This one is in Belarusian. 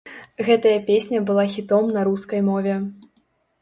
Гэтая песня была хітом на рускай мове.